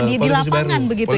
di lapangan begitu ya